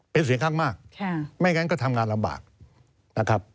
เป็นเสียงข้างมากไม่งั้นก็ทำงานลำบากนะครับ